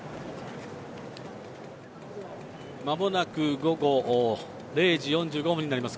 まもなく午後０時４５分になります。